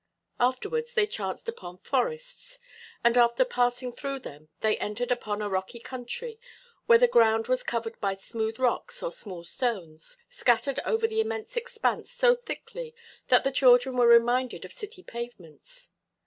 Afterwards they chanced upon forests, and after passing through them they entered upon a rocky country where the ground was covered by smooth rocks or small stones, scattered over the immense expanse so thickly that the children were reminded of city pavements.